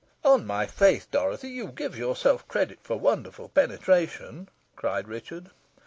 "On my faith, Dorothy, you give yourself credit for wonderful penetration," cried Richard.